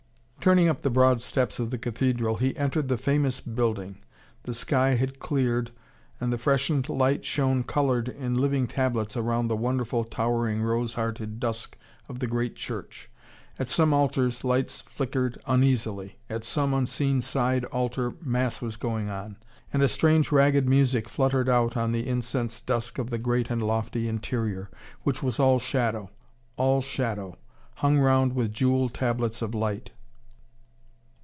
Turning up the broad steps of the cathedral, he entered the famous building. The sky had cleared, and the freshened light shone coloured in living tablets round the wonderful, towering, rose hearted dusk of the great church. At some altars lights flickered uneasily. At some unseen side altar mass was going on, and a strange ragged music fluttered out on the incense dusk of the great and lofty interior, which was all shadow, all shadow, hung round with jewel tablets of light.